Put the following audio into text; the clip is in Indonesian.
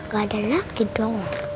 gak ada lagi dong